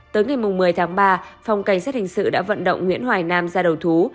tới ngày một mươi tháng ba phòng cảnh sát hình sự đã vận động nguyễn hoài nam ra đầu thú